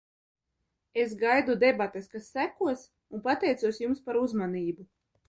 Es gaidu debates, kas sekos, un pateicos jums par uzmanību.